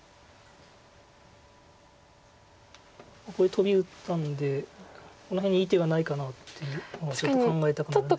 トビ打ったのでこの辺にいい手が何かっていうのをちょっと考えたくなるんですけど。